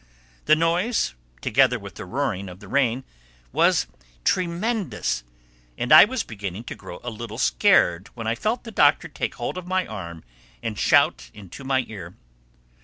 The noise, together with the roaring of the rain, was tremendous; and I was beginning to grow a little bit scared when I felt the Doctor take hold of my arm and shout into my ear.